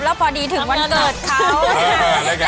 แล้วพอดีถึงวันเกิดเขา